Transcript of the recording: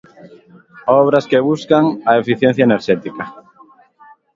Obras que buscan a eficiencia enerxética.